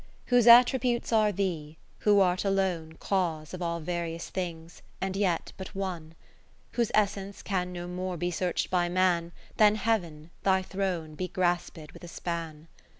Whose attributes are Thee, who art alone Cause of all various things, and yet but One ; Whose Essence can no more be search'd by man, Than Heav'n, Thy Throne, begraspM with a span.